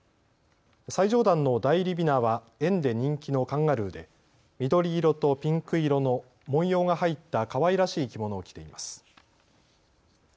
最上段の内裏びなは園で人気のカンガルーで緑色とピンク色の紋様が入ったかわいらしい着物を着ています。